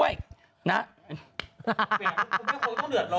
แต่คุณแม่คงต้องเหนือดร้อยเลย